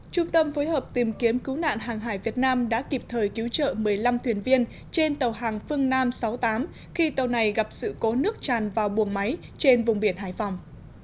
trung tâm phối hợp tìm kiếm cứu nạn hàng hải việt nam đã kịp thời cứu trợ một mươi năm thuyền viên trên tàu hàng phương nam sáu mươi tám khi tàu này gặp sự cố nước tràn vào buồng máy trên vùng biển hải phòng